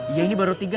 iya ini baru tiga